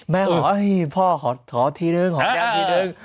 ขอให้พ่อขอทีนึงขอแก้มทีนึง